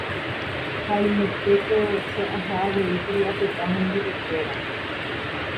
haimetéko che aha avei kuri apyta hendivekuéra